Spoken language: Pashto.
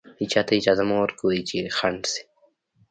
هېچا ته اجازه مه ورکوئ چې خنډ شي.